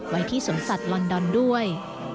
ไว้ที่สวนสัตว์ลอนดอนด้วย